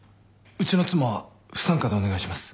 うちの妻は不参加でお願いします。